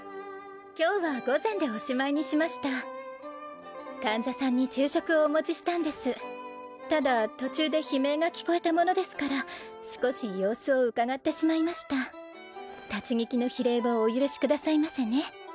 今日は午前でおしまいにしました患者さんに昼食をお持ちしたんですただ途中で悲鳴が聞こえたものですから少し様子をうかがってしまいました立ち聞きの非礼をお許しくださいませね